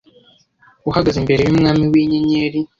uhagaze imbere yumwami winyenyeri